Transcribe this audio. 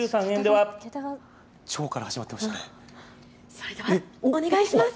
それではよろしくお願いします。